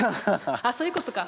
あっそういうことか。